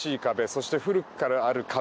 そして古くからある壁。